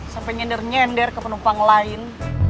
sampai nyender nyender ke penumpang lain